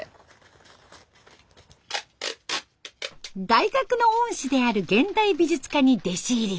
大学の恩師である現代美術家に弟子入り。